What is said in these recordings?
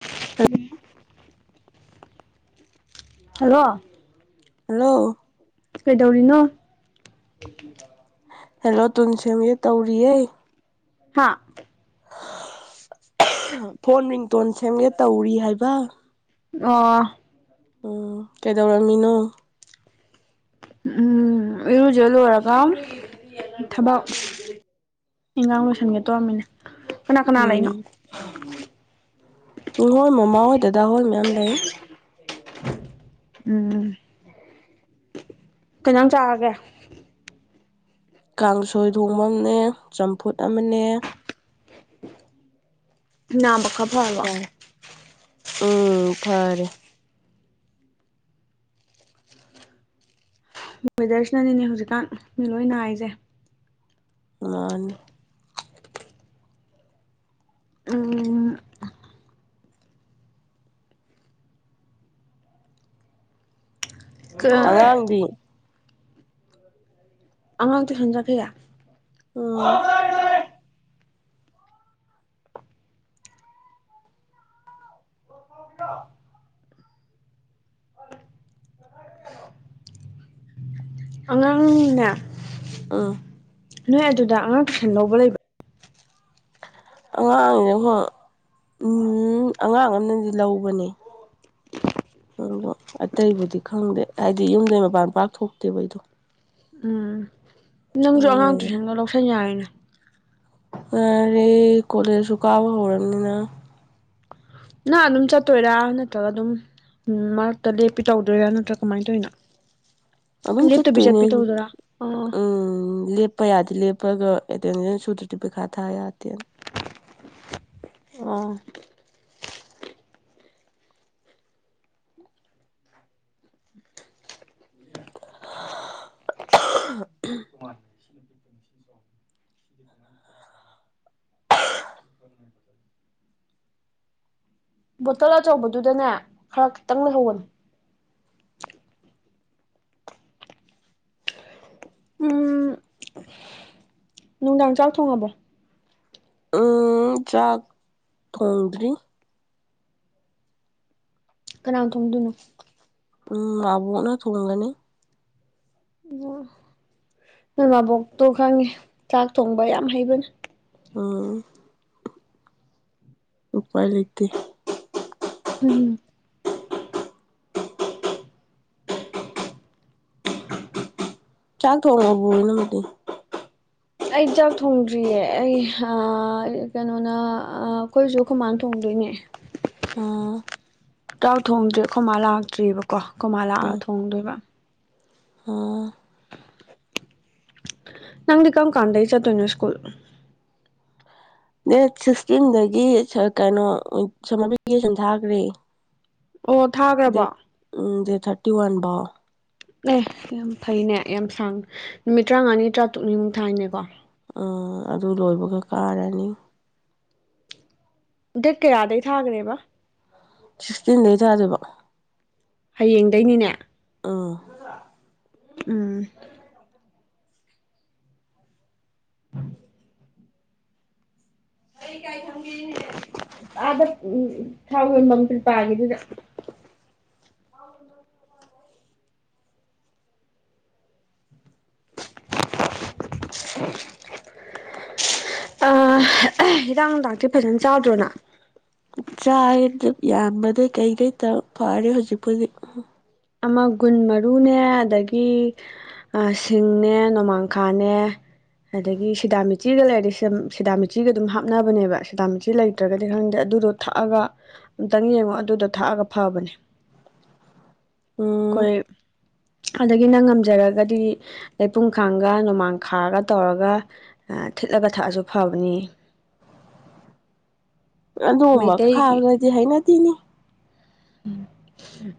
ꯍꯨꯝ hello hello ꯀꯩꯗꯧꯔꯤꯅꯣ ꯒꯩꯇꯤꯅꯥ ꯍꯦꯜꯂꯣ ꯇꯨꯟꯁꯦꯝꯒꯦ ꯇꯧꯔꯤꯌꯦ ꯍꯥꯥ ꯐꯣꯟ ꯔꯤꯡꯇꯣꯟ ꯁꯦꯝꯒꯦ ꯇꯧꯔꯤ ꯍꯥꯏꯕ ꯑꯣ ꯑꯣ ꯀꯩꯗꯧꯔꯝꯃꯤꯅꯣ ꯎꯝ ꯏꯔꯨꯖ ꯂꯣꯏꯔꯒ ꯊꯕꯛ ꯏꯟꯉꯥꯡ ꯂꯣꯏꯁꯟꯒꯦ ꯇꯧꯔꯝꯃꯤꯅꯦ ꯀꯅꯥ ꯀꯅꯥ ꯂꯩꯅꯣ ꯎꯝ [unintelligible] ꯉꯣꯃꯃꯥ ꯍꯣꯏ ꯗꯗꯥ ꯍꯣꯏ ꯃꯌꯥꯝ ꯂꯩ ꯎꯝ ꯀꯩꯉꯥꯟ ꯆꯥꯔꯒꯦ ꯀꯥꯡꯁꯣꯏ ꯊꯣꯡꯕ ꯑꯝꯅꯦ ꯆꯝꯐꯨꯠ ꯑꯃꯅꯦ ꯅꯥꯕ ꯈ ꯐꯔꯕꯣ ꯎꯝ ꯐꯔꯦ ꯋꯦꯗꯔꯁꯤꯅꯅꯤꯅꯦ ꯍꯧꯖꯤꯛꯀꯥꯟ ꯃꯤ ꯂꯣꯏ ꯅꯥꯔꯤꯖꯦ ꯉꯥꯟꯅꯦ ꯎꯝ ꯑꯉꯥꯡꯗꯤ ꯑꯉꯥꯡ ꯇꯨꯏꯁꯟ ꯆꯠꯈꯤꯌꯦ ꯎꯝ ꯑꯉꯥꯡꯅꯤꯅꯦ ꯑꯥ ꯅꯣꯏ ꯑꯗꯨꯗ ꯑꯉꯥꯡ ꯇꯨꯏꯁꯟ ꯂꯧꯕ ꯂꯩꯕ꯭ꯔꯥ ꯑꯉꯥꯡꯅꯤꯅ ꯍꯣꯏ ꯎꯝ ꯑꯉꯥꯡ ꯑꯝꯅꯗꯤ ꯂꯧꯕꯅꯦ ꯑꯗꯣ ꯑꯇꯩꯕꯨꯗꯤ ꯈꯪꯗꯦ ꯍꯥꯏꯗꯤ ꯌꯨꯝꯗꯩ ꯃꯄꯥꯟ ꯄꯥꯛ ꯊꯣꯛꯇꯦꯕ ꯑꯩꯗꯣ ꯅꯪꯖꯨ ꯑꯉꯥꯡ ꯇꯨꯏꯁꯟꯒ ꯂꯧꯁꯟ ꯌꯥꯔꯤꯅꯦ ꯌꯥꯔꯦ ꯀꯣꯂꯦꯖꯁꯨ ꯀꯥꯕ ꯍꯧꯔꯝꯅꯤꯅ ꯅꯪ ꯑꯗꯨꯝ ꯆꯠꯇꯣꯏꯔꯥ ꯅꯠꯇ꯭ꯔꯒ ꯑꯗꯨꯝ ꯃꯔꯛꯇ ꯂꯦꯞꯄꯤ ꯇꯧꯗꯣꯏꯔꯥ ꯅꯠꯇ꯭ꯔꯥ ꯀꯃꯥꯏ ꯇꯧꯏꯅꯣ [inaudible] ꯑꯗꯨꯝ ꯆꯠꯇꯣꯏꯅꯤ ꯎꯝ ꯂꯦꯞ ꯄ ꯌꯥꯗꯦ ꯂꯦꯞꯄꯒ ꯑꯦꯇꯦꯟꯗꯦꯟꯁ ꯁꯨꯗ꯭ꯔꯗꯤ ꯄꯩꯈꯥ ꯊꯥ ꯌꯥꯗꯦꯅ ꯑꯣ [inaudible] [unintelligible] [unintelligible] [inaudible] ꯕꯣꯇꯜ ꯑꯆꯧꯕꯗꯨꯗꯅꯦ ꯈꯔ ꯈꯤꯇꯪ ꯂꯩꯍꯧꯕꯅꯦ ꯎꯝ ꯅꯨꯡꯗꯥꯡ ꯆꯥꯛ ꯊꯣꯡꯉꯕꯣ ꯎꯝ ꯆꯥꯛ ꯊꯣꯡꯗ꯭ꯔꯤ ꯀꯅꯥꯅ ꯊꯣꯡꯗꯣꯏꯅꯣ ꯎꯝ ꯃꯥꯕꯣꯛꯅ ꯊꯣꯡꯒꯅꯤ ꯑꯣ ꯅꯣꯏ ꯃꯥꯕꯣꯛꯇꯣ ꯈꯪꯉꯦ ꯆꯥꯛ ꯊꯣꯡꯕ ꯌꯥꯝ ꯍꯩꯕꯅꯦ ꯎꯝ ꯎꯄꯥꯏ ꯂꯩꯇꯦ [unintelligible] ꯆꯥꯛ ꯊꯣꯡꯉꯕꯣ ꯅꯪꯗꯤ ꯑꯩ ꯆꯥꯛ ꯊꯣꯡꯗ꯭ꯔꯤꯌꯦ ꯑꯩ ꯑ ꯀꯩꯅꯣꯅ ꯑ ꯑꯈꯣꯏꯖꯨ ꯑꯈꫭꯏꯃꯥꯅ ꯊꯣꯡꯗꯣꯏꯅꯦ ꯑ ꯆꯥꯛ ꯊꯣꯡꯗ꯭ꯔꯤ ꯈꯣꯏ ꯃꯥ ꯂꯥꯛꯇ꯭ꯔꯤꯕꯀꯣ ꯈꫭꯏ ꯃꯥ ꯂꯥꯛꯑ ꯑꯥ ꯊꯣꯡꯗꯣꯏꯕ ꯑꯥ ꯅꯪꯗꯤ ꯀꯝ ꯀꯥꯟꯗꯩ ꯆꯠꯇꯣꯏꯅꯣ ꯁ꯭ꯀꯨꯜ ꯗꯦꯠ ꯁꯤꯛꯁꯇꯤꯟꯗꯒꯤ ꯁ ꯀꯩꯅꯣ ꯁꯃꯔ ꯚꯦꯀꯦꯁꯟ ꯊꯥꯒ꯭ꯔꯦ ꯑꯣ ꯊꯥꯒ꯭ꯔꯕꯣ ꯎꯝ ꯗꯦꯠ ꯊꯥꯔꯇꯤ ꯋꯥꯟ ꯕꯥꯎ ꯑꯦ ꯌꯥꯝ ꯐꯩꯅꯦ ꯌꯥꯝ ꯁꯥꯡ ꯅꯨꯃꯤꯠ ꯇ꯭ꯔꯥꯉꯥꯅꯤ ꯇ꯭ꯔꯥꯇꯨꯛꯅꯤꯃꯨꯛ ꯊꯥꯏꯅꯦꯀꯣ ꯑ ꯑꯗꯨ ꯂꯣꯏꯕꯒ ꯀꯥꯔꯅꯤ ꯗꯦꯠ ꯀꯌꯥꯗꯩ ꯊꯥꯒ꯭ꯔꯦꯕ ꯁꯤꯛꯁꯇꯤꯟ ꯗꯩ ꯊꯥꯗꯣꯏꯕ ꯍꯌꯦꯡꯗꯩꯅꯤꯅꯦ ꯑ [unintelligible] ꯎꯝ [unintelligible] ꯊꯝꯒꯦꯅꯦꯍꯦ ꯑꯥꯗ ꯎ ꯊꯥꯎ ꯌꯣꯟꯕꯝ ꯀ꯭ꯔꯤꯄꯥꯒꯤꯗꯨꯗ [unintelligible] ꯑ [unintelligible] ꯍꯤꯗꯥꯛ ꯅꯨꯡꯗꯥꯛꯇꯤ ꯐꯖꯅ ꯆꯥꯗ꯭ꯔꯣ ꯅꯪ ꯆꯥꯏ ꯗ꯭ꯔꯤꯞ ꯌꯥꯟꯕꯗꯩ ꯀꯩꯀꯩ ꯇꯧ ꯐꯔꯦ ꯍꯧꯖꯤꯛꯄꯨꯗꯤ ꯑꯃ ꯒꯨꯟ ꯃꯔꯨꯅꯦ ꯑꯗꯒꯤ ꯑ ꯁꯤꯡꯅꯦ ꯅꯣꯃꯥꯡꯈꯥꯅꯦ ꯑꯗꯒꯤ ꯁꯤꯗꯥꯃꯤꯆꯤꯒ ꯂꯩꯔꯗꯤ ꯁꯤꯗꯥꯃꯤꯆꯤꯒ ꯑꯗꯨꯝ ꯍꯥꯞꯅꯕꯅꯦꯕ ꯁꯤꯗꯥꯃꯤꯆꯤ ꯂꯩꯇ꯭ꯔꯒꯗꯤ ꯈꯪꯗꯦ ꯑꯗꯨꯗꯣ ꯊꯛꯑꯒ ꯑꯝꯇꯪ ꯌꯦꯡꯉꯣ ꯑꯗꯨꯗꯣ ꯊꯛꯑꯒ ꯐꯕꯅꯦ ꯎꯝ ꯑꯈꫭꯏ ꯑꯗꯒꯤ ꯅꯪ ꯉꯝꯖꯔꯒꯗꯤ ꯂꯩꯄꯨꯡꯈꯥꯡꯒ ꯅꯣꯃꯥꯡꯈꯥꯒ ꯇꯧꯔꯒ ꯑ ꯊꯤꯠꯂꯒ ꯊꯛꯑꯖꯨ ꯐꯕꯅꯦ ꯑꯗꯨꯒꯨꯝꯕ ꯈꯥꯕꯗꯨꯗꯤ ꯍꯩꯅꯗꯦꯅꯦ ꯎꯝ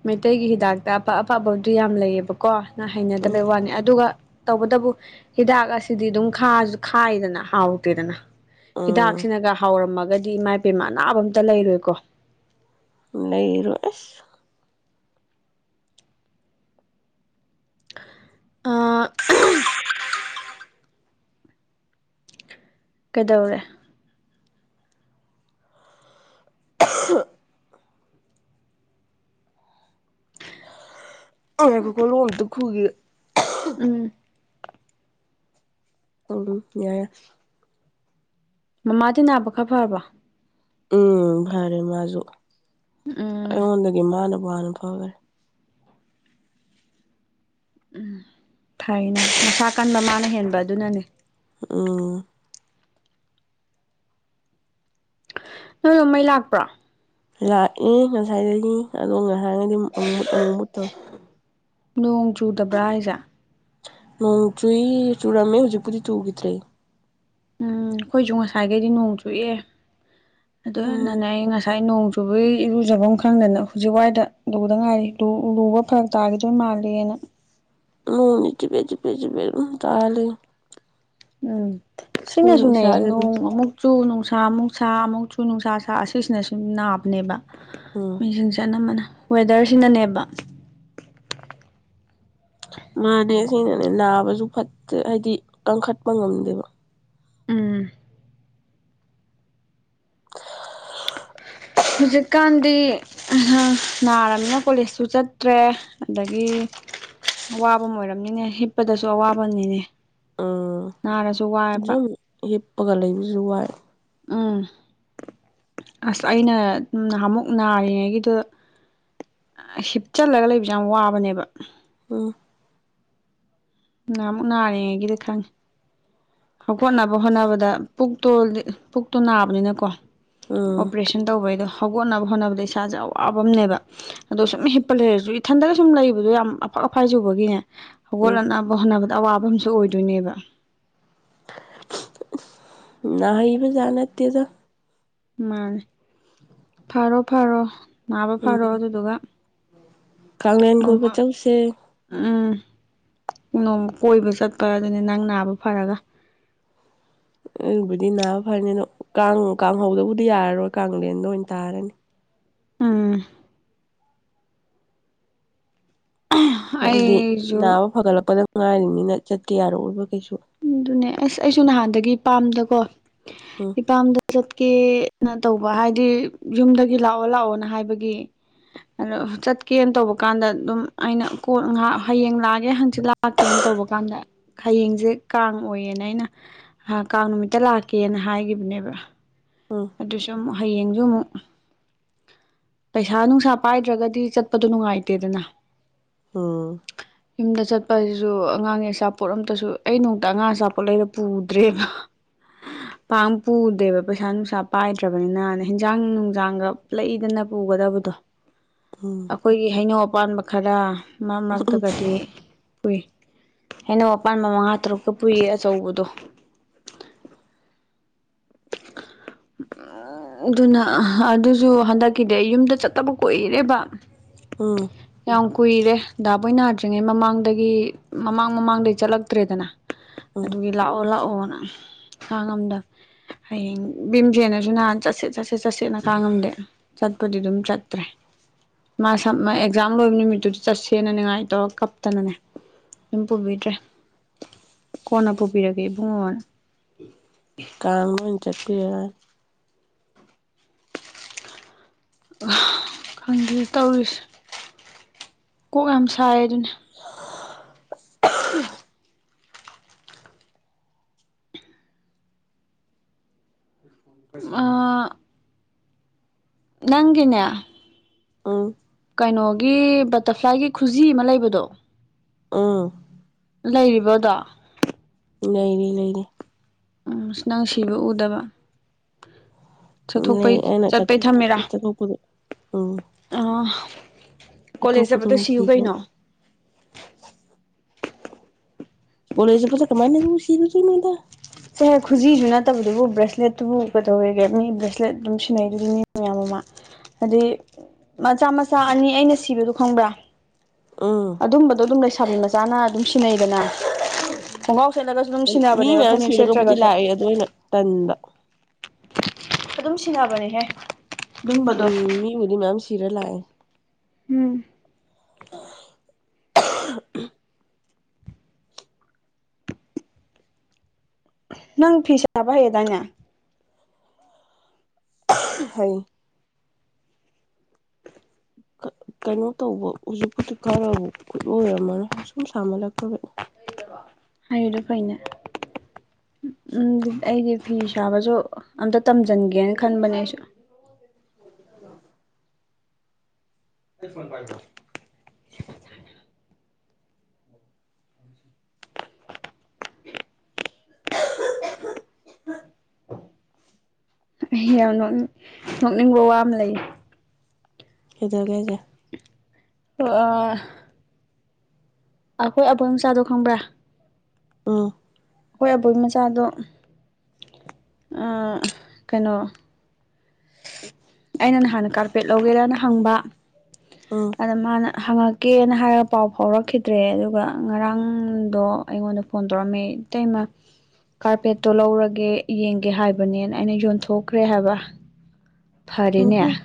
ꯃꯩꯇꯩꯒꯤ ꯍꯤꯗꯥꯛꯇ ꯑꯐ ꯑꯐꯕ [unintelligible] ꯌꯥꯝ ꯂꯩꯌꯦꯕ ꯀꯣ ꯅꯪ ꯎꯝ ꯍꯩꯅꯗꯕꯩ ꯋꯥꯅꯤ ꯑꯗꯨꯒ ꯇꯧꯕꯇꯕꯨ ꯍꯤꯗꯥꯛ ꯑꯁꯤꯗꯤ ꯑꯗꯨꯝ ꯈꯥꯁꯨ ꯈꯥꯏꯗꯅ ꯍꯥꯎꯇꯦꯗꯅ ꯎꯝ ꯍꯤꯗꯥꯛꯁꯤꯅꯒ ꯍꯥꯎꯔꯝꯃꯒꯗꯤ ꯏꯃꯥꯏ ꯄꯦꯝꯃ ꯑꯅꯥꯕ ꯑꯝꯇ ꯂꯩꯔꯣꯏꯀꯣ ꯂꯩꯔꯣꯏ ꯑ ꯀꯩꯗꯧꯔꯦ [unintelligible] ꯉꯥꯏꯈꯣꯀꯣ ꯂꯣꯑꯝꯇ ꯈꯨꯒꯤꯒꯦ ꯎꯝ [unintelligible] ꯃꯃꯥꯗꯤ ꯅꯥꯕ ꯈꯔ ꯐꯕꯣ ꯎꯝ ꯐꯔꯦ ꯃꯥꯖꯨ ꯎꯝ ꯑꯩꯉꯣꯟꯗꯒꯤ ꯃꯥꯅꯕꯨ ꯍꯥꯅ ꯐꯒ꯭ꯔꯦ ꯎꯝ ꯐꯩꯅꯦ ꯃꯁꯥ ꯀꯟꯕ ꯃꯥꯅ ꯍꯦꯟꯕ ꯑꯗꯨꯅꯅꯦ ꯎꯝ ꯅꯣꯏ ꯔꯣꯝ ꯃꯩ ꯂꯥꯛꯄ꯭ꯔꯣ ꯂꯥꯛꯏ ꯉꯁꯥꯏꯗꯒꯤ ꯑꯗꯣ ꯉꯍꯥꯡꯒꯩꯗꯤ ꯑꯃꯨꯛ ꯑꯃꯨꯛ ꯑꯃꯨꯛ ꯃꯨꯠ ꯇꯧꯔꯦ ꯅꯣꯡ ꯆꯨꯗꯕ꯭ꯔꯥ ꯍꯥꯏꯁꯦ ꯅꯣꯡ ꯆꯨꯏ ꯆꯨꯔꯝꯃꯦ ꯍꯧꯖꯤꯛꯄꯨꯗꯤ ꯆꯨꯈꯤꯗ꯭ꯔꯦ ꯎꯝ ꯑꯩꯈꯣꯏꯁꯨ ꯉꯁꯥꯏꯈꯩꯗꯤ ꯅꯣꯡ ꯆꯨꯑꯦ ꯑꯗꯨ ꯎꯝ ꯅꯅꯦ ꯑꯩ ꯉꯁꯥꯏ ꯅꯣꯡ ꯆꯨꯕꯒꯤ ꯏꯔꯨꯖꯐꯝ ꯈꯪꯗꯅ ꯍꯧꯖꯤꯛ ꯋꯥꯏꯗ ꯂꯨꯗ ꯉꯥꯏꯔꯤ ꯂꯨꯕ ꯐꯔꯛ ꯇꯥꯈꯤꯗꯣꯏ ꯃꯥꯂꯦꯅ ꯅꯣꯡꯅꯤ ꯆꯤꯐꯦꯠ ꯆꯤꯐꯦꯠ ꯆꯤꯐꯦꯠ ꯑꯗꯨꯝ ꯇꯥꯔ ꯂꯩꯌꯦ ꯎꯝ ꯑꯗꯨꯅ ꯁꯤꯅꯁꯨꯅꯦ ꯏꯁꯥꯁꯦ ꯅꯣꯡ ꯑꯗꯨꯝ ꯑꯃꯨꯛ ꯆꯨ ꯅꯨꯡꯁꯥ ꯑꯃꯨꯛ ꯁꯥ ꯑꯃꯨꯛ ꯆꯨ ꯅꯨꯡꯁꯥ ꯁꯥ ꯑꯁꯤꯁꯤꯅ ꯁꯨꯝ ꯅꯥꯕꯅꯦꯕ ꯎꯝ ꯃꯤꯁꯤꯡꯁꯦ ꯑꯅꯝꯕꯅ ꯋꯦꯗꯔꯁꯤꯅꯅꯦꯕ ꯃꯥꯅꯦ ꯁꯤꯅꯅꯦ ꯅꯥꯕꯁꯨ ꯐꯠꯇꯦ ꯍꯥꯏꯗꯤ ꯀꯪꯈꯠꯄ ꯉꯝꯗꯦꯕ ꯎꯝ ꯍꯧꯖꯤꯛꯀꯥꯟꯗꯤ ꯅꯥꯔꯕꯅꯤꯅ ꯀꯣꯂꯦꯖꯁꯨ ꯆꯠꯇ꯭ꯔꯦ ꯑꯗꯒꯤ ꯑꯋꯥꯕ ꯑꯣꯏꯔꯝꯅꯤꯅꯦ ꯍꯤꯞꯄꯗꯁꯨ ꯑꯋꯥꯕꯅꯤꯅꯦ ꯎꯝ ꯅꯥꯔꯁꯨ ꯋꯥꯏꯕ ꯁꯨꯝ ꯍꯤꯞꯄꯒ ꯂꯩꯕꯁꯨ ꯋꯥꯏ ꯎꯝ ꯑꯁ ꯑꯩꯅ ꯅꯍꯥꯟꯃꯨꯛ ꯅꯥꯔꯤꯉꯩꯒꯤꯗꯨꯗ ꯍꯤꯞꯆꯜꯂꯒ ꯂꯩꯕꯁꯦ ꯌꯥꯝ ꯋꯥꯕꯅꯦꯕ ꯎꯝ ꯅꯍꯥꯟꯃꯨꯛ ꯅꯥꯔꯤꯉꯩꯒꯤꯗ ꯈꯪꯉꯦ ꯍꯧꯒꯠꯅꯕ ꯍꯣꯠꯅꯕꯗ ꯄꯨꯛꯇꯣ ꯄꯨꯛꯇꯣ ꯅꯥꯕꯅꯤꯅꯀꯣ ꯎꯝ ꯑꯣꯄꯔꯦꯁꯟ ꯇꯧꯕꯩꯗꯣ ꯍꯧꯒꯠꯅꯕ ꯍꯣꯠꯅꯕꯗ ꯏꯁꯥꯁꯦ ꯑꯋꯥꯕ ꯑꯃꯅꯦꯕ ꯑꯗꯣ ꯁꯨꯝ ꯍꯤꯞꯄ ꯂꯩꯔꯁꯨ ꯏꯊꯟꯗꯒ ꯁꯨꯝ ꯂꯩꯕꯗꯣ ꯌꯥꯝ ꯑꯐꯛ ꯑꯐꯥꯏ ꯆꯨꯕꯒꯤꯅꯦ ꯎꯝ ꯍꯧꯒꯠꯂ ꯅꯥ ꯍꯣꯠꯅꯕꯗ ꯑꯋꯥꯕ ꯑꯃꯁꯨ ꯑꯣꯏꯗꯣꯏꯅꯦꯕ ꯅꯥꯍꯩꯕꯖꯥꯠ ꯅꯠꯇꯦꯗ ꯃꯥꯅꯦ ꯐꯥꯔꯣ ꯐꯥꯔꯣ ꯅꯥꯕ ꯎꯝ ꯐꯔꯣ ꯑꯗꯨꯗꯨꯒ ꯀꯥꯡꯂꯦꯟ ꯀꯣꯏꯕ ꯅꯣꯡꯃ ꯆꯧꯁꯦ ꯎꯝ ꯅꯣꯡ ꯀꯣꯏꯕ ꯆꯠꯄ ꯑꯗꯨꯅꯤ ꯅꯪ ꯅꯥꯕ ꯐꯔꯒ ꯑꯗꯨꯕꯨꯗꯤ ꯅꯥꯕ ꯐꯔꯅꯤ ꯑꯗꯣ ꯀꯥꯡ ꯀꯥꯡꯍꯧꯗꯕꯨꯗꯤ ꯌꯥꯔꯔꯣꯏ ꯀꯥꯡꯂꯦꯟꯗ ꯑꯣꯏꯅ ꯇꯥꯔꯅꯤ ꯎꯝ ꯑꯗꯨꯗꯤ ꯑꯩꯁꯨ ꯅꯥꯕ ꯐꯒꯠꯂꯛꯄꯗ ꯉꯥꯏꯔꯤꯅꯤꯅ ꯆꯠꯀꯦ ꯌꯥꯔꯛꯑꯣꯏꯕ ꯀꯩꯁꯨ ꯑꯗꯨꯅꯦ ꯑꯁ ꯑꯩꯁꯨ ꯅꯍꯥꯟꯗꯒꯤ ꯄꯥꯝꯗꯀꯣ ꯎꯝ ꯏꯄꯥꯝꯗ ꯆꯠꯀꯦꯅ ꯇꯧꯕ ꯍꯥꯏꯗꯤ ꯌꯨꯝꯗꯒꯤ ꯂꯥꯛꯑꯣ ꯂꯥꯛꯑꯣꯅ ꯍꯥꯏꯕꯒꯤ ꯑꯗꯣ ꯆꯠꯀꯦꯅ ꯇꯧꯕ ꯀꯥꯟꯗ ꯑꯗꯨꯝ ꯑꯩꯅ ꯀꯣ ꯉꯥꯏꯍꯥꯛ ꯍꯌꯦꯡ ꯂꯥꯛꯑꯒꯦ ꯍꯪꯆꯤꯠ ꯂꯛ ꯂꯥꯛꯀꯦꯅ ꯇꯧꯕ ꯀꯥꯟꯗ ꯍꯌꯦꯡꯖꯦ ꯀꯥꯡ ꯑꯣꯏꯌꯦꯅ ꯑꯩꯅ ꯍꯥ ꯀꯥꯡ ꯅꯨꯃꯤꯠꯇ ꯂꯥꯛꯀꯦꯅ ꯍꯥꯏꯒꯤꯕꯅꯦꯕ ꯎꯝ ꯑꯗꯨꯁꯨ ꯑꯃꯨꯛ ꯍꯌꯦꯡꯁꯨ ꯑꯃꯨꯛ ꯄꯩꯁꯥ ꯅꯨꯡꯁꯥ ꯄꯥꯏꯗ꯭ꯔꯒꯗꯤ ꯆꯠꯄꯗꯣ ꯅꯨꯡꯉꯥꯏꯇꯦꯗꯅ ꯎꯝ ꯌꯨꯝꯗ ꯆꯠꯄ ꯑꯁꯤꯁꯨ ꯑꯉꯥꯡꯒꯤ ꯑꯆꯥꯄꯣꯠ ꯑꯝꯇꯁꯨ ꯑꯩ ꯅꯣꯡꯇ ꯑꯉꯥꯡ ꯑꯆꯥꯄꯣꯠꯂꯩꯔ ꯄꯨꯗ꯭ꯔꯦꯕ ꯄꯥꯛ ꯄꯨꯗꯦꯕ ꯄꯩꯁꯥ ꯅꯨꯡꯁꯥ ꯄꯥꯏꯗ꯭ꯔꯕꯅꯤꯅꯥꯅ ꯍꯦꯟꯖꯥꯡ ꯅꯨꯡꯖꯥꯡꯒ ꯂꯩꯗꯅ ꯄꯨꯒꯗꯕꯗꯣ [inaudible] ꯎꯝ ꯑꯩꯈꯣꯏꯒꯤ ꯍꯩꯅꯧ ꯑꯄꯥꯟꯕ ꯈꯔ ꯃꯔꯛ ꯃꯔꯛꯇꯒꯗꯤ ꯄꯨꯏ ꯍꯩꯅꯧ ꯑꯄꯥꯟꯕ ꯃꯉꯥ ꯇꯔꯨꯛꯇꯣ ꯄꯨꯨꯏꯌꯦ ꯑꯆꯧꯕꯗꯣ [unintelligible] ꯑꯥ ꯑꯗꯨꯅ ꯑꯗꯨꯁꯨ ꯍꯟꯗꯛꯀꯤꯗꯤ ꯌꯨꯝꯗ ꯆꯠꯇꯕ ꯀꯨꯏꯔꯦꯕ ꯎꯝ ꯌꯥꯝ ꯀꯨꯏꯔꯦ ꯗꯥꯕꯣꯢ ꯅꯥꯗ꯭ꯔꯤꯉꯩ ꯃꯃꯥꯡꯗꯒꯤ ꯃꯃꯥꯡ ꯃꯃꯥꯡꯗꯒꯤ ꯆꯠꯂꯛ ꯇ꯭ꯔꯦꯗꯅ ꯎꯝ ꯑꯗꯨꯒꯤ ꯂꯥꯛꯑꯣ ꯂꯥꯛꯑꯣꯅ ꯈꯥꯡꯉꯝꯗꯃꯦ ꯍꯌꯦꯡ ꯕꯤꯝꯖꯦꯟꯅꯁꯨ ꯅꯍꯥꯟ ꯆꯠꯁꯦ ꯆꯠꯁꯦ ꯆꯠꯁꯦꯅ ꯈꯥꯡꯉꯝꯗꯦ ꯆꯠꯄꯗꯤ ꯑꯗꯨꯝ ꯆꯠꯇ꯭ꯔꯦ ꯃꯥ ꯁꯝ ꯃꯦ ꯑꯦꯛꯖꯥꯝ ꯂꯣꯏꯕ ꯅꯨꯃꯤꯠꯇꯨꯗ ꯆꯠꯁꯦꯅ ꯅꯤꯉꯥꯏ ꯇꯧꯔꯒ ꯀꯞꯇꯅꯅꯦ ꯑꯗꯨꯝ ꯄꯨꯕꯤꯗ꯭ꯔꯦ ꯀꯣꯟꯅ ꯄꯨꯕꯤꯔꯒꯦ ꯏꯕꯨꯡꯉꯣꯅ ꯀꯥꯡꯗ ꯑꯣꯏꯅ ꯆꯠꯄꯤꯔ ꯍꯥ ꯈꯪꯗꯦ ꯇꯧꯔꯤꯁꯦ ꯀꯣꯛ ꯌꯥꯝ ꯁꯥꯏ ꯑꯗꯨꯅꯤ [unintelligible] ꯑ ꯅꯪꯒꯤꯅꯦ ꯎꯝ ꯀꯩꯅꯣꯒꯤ ꯕꯇꯔꯐ꯭ꯂꯥꯏꯒꯤ ꯈꯨꯖꯤ ꯑꯃ ꯂꯩꯕꯗꯣ ꯎꯝ ꯂꯩꯔꯤꯕ ꯑꯗꯣ ꯂꯩꯔꯤ ꯂꯩꯔꯤ ꯎꯝ ꯅꯪ ꯁꯤꯕ ꯎꯗꯕ ꯂꯩ ꯆꯠꯊꯣꯛꯄꯩ ꯑꯩꯅ ꯆꯠꯄꯩ ꯊꯝꯃꯦꯔꯥ ꯆꯠꯊꯣꯛ ꯆꯠꯊꯣꯛꯄꯗ ꯎꯝ ꯑ ꯀꯣꯂꯦꯖ ꯆꯠꯊꯣꯛꯄꯗ ꯆꯠꯄꯗ ꯑꯣꯏꯅ ꯁꯤꯌꯨ ꯊꯤꯒ꯭ꯔꯅꯤ ꯀꯩꯅꯣ [unintelligible] ꯆꯥꯍꯦ ꯈꯨꯖꯤꯖꯨ ꯅꯠꯇꯕꯗꯨꯕꯨ ꯕ꯭ꯔꯦꯁꯂꯦꯠꯇꯨꯕꯨ ꯀꯩꯗꯧꯋꯦꯒꯦ ꯃꯤ ꯕ꯭ꯔꯦꯁꯂꯦꯠ ꯑꯗꯨꯝ ꯁꯤꯟꯅꯩ ꯑꯗꯨꯗꯤ ꯃꯤ ꯃꯌꯥꯝ ꯑꯃ ꯑꯗꯨꯏ ꯃꯆꯥ ꯃꯆꯥ ꯑꯅꯤ ꯑꯩꯅ ꯁꯤꯕꯗꯣ ꯈꯪꯕ꯭ꯔꯥ ꯎꯝ ꯑꯗꯨꯝꯕꯗꯣ ꯑꯗꯨꯝ ꯂꯩꯁꯥꯕꯤ ꯃꯆꯥꯅ ꯑꯗꯨꯝ ꯁꯤꯟꯅꯩꯗꯅ ꯈꯣꯡꯒ꯭ꯔꯥꯎ ꯁꯦꯠꯂꯒꯁꯨ ꯑꯗꯨꯝ ꯃꯤ ꯁꯤꯟꯅꯕꯅꯦꯕ ꯃꯌꯥꯝ ꯐꯅꯦꯛ ꯁꯤꯔꯒꯕꯨꯗꯤ ꯁꯦꯠꯇ꯭ꯔꯒꯁꯨ ꯂꯥꯛꯑꯦ ꯑꯗꯨ ꯑꯩꯅ ꯇꯟꯕ ꯑꯗꯨꯝ ꯁꯤꯟꯅꯕꯅꯤꯍꯦ ꯑꯗꯨꯨꯝꯕꯗꯣ ꯑꯩꯕꯨꯗꯤ ꯃꯌꯥꯝ ꯁꯤꯔ ꯂꯥꯛꯑꯦ ꯎꯝ [unintelligible] ꯅꯪ ꯐꯤꯁꯥꯕ ꯍꯩꯔꯦꯗꯥꯢꯅꯦ ꯍꯩ ꯀꯩꯅꯣ ꯇꯧꯕ ꯍꯧꯖꯤꯛꯄꯨꯗꯤ ꯈꯔꯕꯨ ꯈꯨꯠꯂꯣꯏꯔꯝꯃꯅ ꯁꯨꯝ ꯁꯥꯃꯜꯂꯛꯄꯒꯤ ꯍꯩꯔꯤꯗꯨ ꯐꯩꯅ ꯎꯝ ꯑꯩꯗꯤ ꯐꯤ ꯁꯥꯕꯁꯨ ꯑꯝꯇ ꯇꯝꯁꯤꯟꯒꯦꯅ ꯈꯟꯕꯅꯦ ꯑꯩꯁꯨ ꯑꯩ ꯐꯣꯟ ꯄꯥꯢꯕꯔꯣ [unintelligible] ꯑꯩ ꯌꯥꯝ ꯅꯣꯛꯅꯤꯡ ꯅꯣꯛꯅꯤꯡꯕ ꯋꯥ ꯑꯃ ꯂꯩ ꯀꯩꯗꯩꯔꯒꯦ ꯍꯥꯏꯖꯦ ꯍꯣꯢ ꯑ ꯑꯩꯈꯣꯏ ꯑꯗꯣꯝ ꯆꯥꯗꯣ ꯈꯪꯕ꯭ꯔꯥ ꯎꯝ ꯑꯩꯈꯣꯏ ꯑꯕꯣꯏ ꯃꯆꯥꯗꯣ ꯑ ꯀꯩꯅꯣ ꯑꯩꯅ ꯅꯍꯥꯟ ꯀꯥꯔꯄꯦꯠ ꯂꯧꯒꯦꯔꯅ ꯍꯪꯕ ꯎꯝ ꯑꯗ ꯃꯥꯅ ꯍꯪꯉꯛꯀꯦꯅ ꯍꯥꯏꯔꯒ ꯄꯥꯎ ꯐꯥꯎꯔꯛꯈꯤꯗ꯭ꯔꯦ ꯑꯗꯨꯒ ꯉꯔꯥꯡꯗꯣ ꯑꯩꯉꯣꯟꯗ ꯐꯣꯟ ꯇꯧꯔꯛ ꯑꯝꯃꯦ ꯑꯇꯩꯃ ꯀꯥꯔꯄꯦꯠꯇꯣ ꯂꯧꯔꯒꯦ ꯌꯦꯡꯒꯦ ꯍꯥꯏꯕꯅꯦꯅ ꯑꯩꯅ ꯌꯣꯟꯊꯣꯛꯈ꯭ꯔꯦ ꯍꯥꯏꯕ ꯐꯔꯦꯅꯦ ꯎꯝꯍꯨꯝ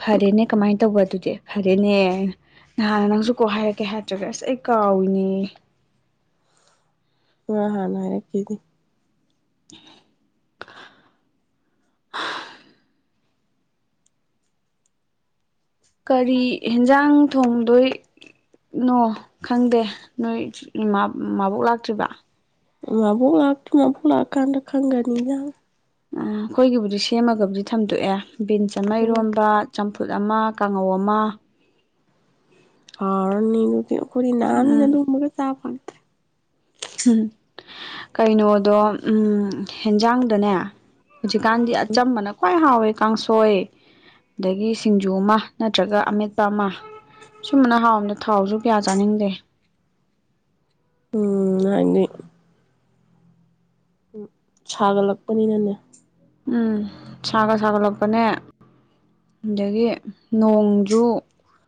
ꯐꯔꯦꯅꯦ ꯀꯃꯥꯏ ꯇꯧꯕ ꯑꯗꯨꯗꯤ ꯐꯔꯦꯅꯦ ꯅꯍꯥꯟꯅ ꯅꯪꯁꯨ ꯀꯣꯛ ꯍꯥꯏꯔꯛꯀꯦ ꯍꯥꯏꯇ꯭ꯔꯒ ꯑꯁ ꯑꯩ ꯀꯥꯎꯔꯤꯅꯦꯌꯦ ꯉ ꯍꯥꯟ ꯍꯥꯏꯔꯛꯈꯤꯗꯤ [unintelligible] ꯀꯔꯤ ꯍꯦꯟꯖꯥꯡ ꯊꯣꯡꯗꯣꯏ ꯅꯣ ꯈꯪꯗꯦ ꯅꯣꯏꯃꯥ ꯃꯕꯣꯛ ꯂꯥꯛꯇ꯭ꯔꯤꯕ ꯃꯥꯕꯣꯛ ꯂꯥꯛꯇꯤ ꯃꯥꯕꯣꯛ ꯂꯑ ꯀꯥꯟꯗ ꯈꯪꯒꯅꯤ ꯏꯟꯖꯥꯡ ꯑ ꯈꯣꯏꯒꯤꯕꯨꯗꯤ ꯁꯦꯝꯃꯒꯕꯨꯗꯤ ꯊꯝꯗꯣꯛꯑꯦ ꯕꯤꯟꯁ ꯑꯃ ꯎꯝ ꯢꯔꯣꯝꯕ ꯆꯝꯐꯨꯠ ꯑꯃ ꯀꯥꯡꯉꯧ ꯑꯃ ꯍꯥꯎꯔꯅꯤꯗꯨꯗꯤ ꯈꯣꯏꯗꯤ ꯅꯥꯅꯤꯅ ꯎꯝ ꯑꯗꯨꯝꯕꯒ ꯆꯥꯕ ꯐꯪ ꯎꯝ ꯀꯩꯅꯣꯗꯣ ꯎꯝ ꯍꯦꯟꯖꯥꯡꯗꯅꯦ ꯍꯧꯖꯤꯛꯀꯥꯟꯗꯤ ꯑꯆꯝꯕꯅ ꯈ꯭ꯋꯥꯏ ꯍꯥꯎꯋꯦ ꯀꯥꯡꯁꯣꯏ ꯗꯒꯤ ꯁꯤꯡꯖꯨ ꯑꯃ ꯅꯠꯇ꯭ꯔꯒ ꯑꯃꯦꯠꯄ ꯑꯃ ꯁꯨꯝꯕꯅ ꯍꯥꯎꯝꯗ ꯊꯥꯎꯖꯨ ꯀ꯭ꯌ ꯆꯥꯅꯤꯡꯗꯦ ꯎꯝ [unintelligible] ꯁꯥꯒꯠꯂꯛꯄꯅꯤꯅꯅꯦ ꯎꯝ ꯁꯥꯒ ꯁꯥꯒꯠꯂꯛꯄꯅꯦ ꯗꯒꯤ ꯅꯣꯡꯖꯨ